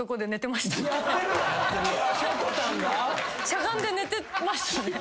しゃがんで寝てましたね。